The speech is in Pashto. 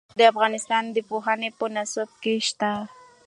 اوښ د افغانستان د پوهنې په نصاب کې شته.